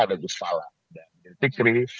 ada gus fala dan derti kri